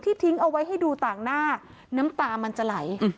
ทิ้งเอาไว้ให้ดูต่างหน้าน้ำตามันจะไหล